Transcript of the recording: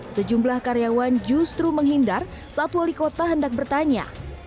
sejumlah karyawan justru menghindar saat wali kota hendak bertanya